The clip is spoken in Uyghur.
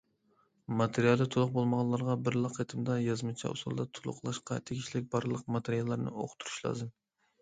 ماتېرىيالى تولۇق بولمىغانلارغا بىرلا قېتىمدا يازمىچە ئۇسۇلدا تولۇقلاشقا تېگىشلىك بارلىق ماتېرىياللارنى ئۇقتۇرۇش لازىم.